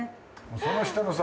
その下のさ。